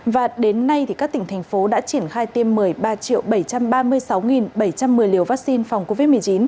và đến nay các tỉnh thành phố đã triển khai tiêm một mươi ba bảy trăm ba mươi sáu bảy trăm một mươi liều vaccine phòng covid một mươi chín